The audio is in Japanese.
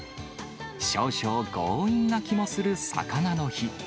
少々強引な気もするさかなの日。